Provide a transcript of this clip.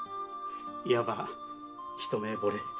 いわば一目惚れ。